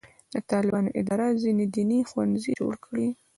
د طالبانو اداره ځینې دیني ښوونځي جوړ کړي.